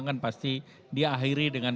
kan pasti diakhiri dengan